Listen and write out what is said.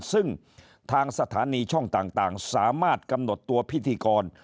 ซึ่งทางสถานีช่องต่างสามารถกำหนดตัวพิธีกร